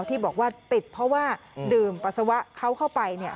ที่บอกว่าติดเพราะว่าดื่มปัสสาวะเขาเข้าไปเนี่ย